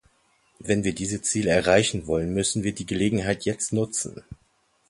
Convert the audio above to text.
Wenn wir diese Ziele erreichen wollen, müssen wir die Gelegenheiten jetzt nutzen.